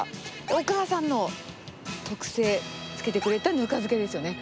お母さんの特製、つけてくれたぬか漬けですよね。